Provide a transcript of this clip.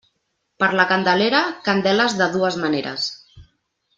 Per la Candelera, candeles de dues maneres.